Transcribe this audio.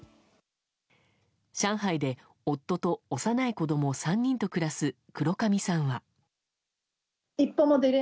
上海で夫と幼い子供３人と暮らす黒神さんは。